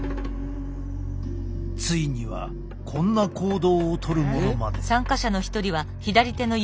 ついにはこんな行動をとる者まで。